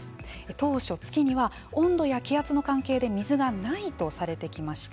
当初、月には温度や気圧の関係で水がないとされてきました。